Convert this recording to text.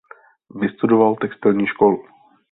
Vystudoval textilní školu.